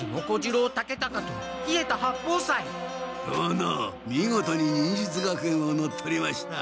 殿見事に忍術学園を乗っ取りました。